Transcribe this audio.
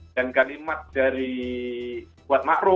dan kalimat dari buat makro